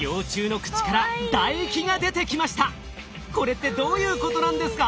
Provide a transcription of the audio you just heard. これってどういうことなんですか？